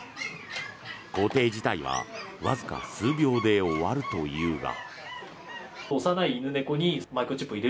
工程自体はわずか数秒で終わるというが。